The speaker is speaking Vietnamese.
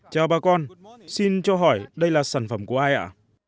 chào bà con xin cho hỏi đây là sản phẩm của ai ạ